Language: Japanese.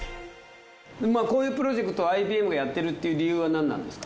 こういうプロジェクトをＩＢＭがやってるっていう理由は何なんですか？